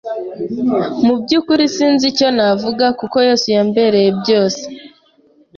Mu byukuri sinzi icyo navuga kuko Yesu yambereye byose,